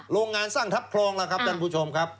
โรงงานสร้างทัพคลองล่ะครับท่านผู้ชมครับ